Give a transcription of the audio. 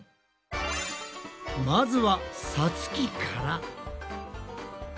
まずはさつきから。